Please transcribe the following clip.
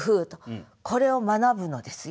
これを学ぶのですよ。